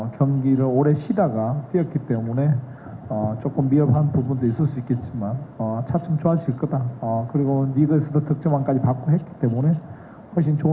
jadi mereka akan menjadi pemain yang lebih baik